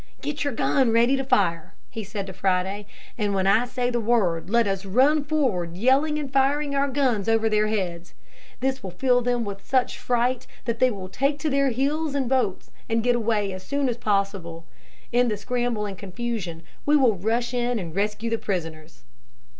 "Get your gun ready to fire," he said to Friday, "and when I say the word let us run forward yelling and firing our guns over their heads. This will fill them with such fright that they will take to their heels and boats and get away as soon as possible. In the scramble and confusion we will rush in and rescue the prisoners."